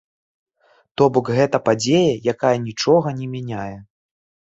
То-бок гэта падзея, якая нічога не мяняе.